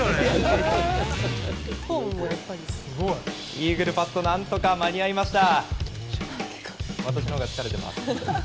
イーグルパット何とか間に合いました。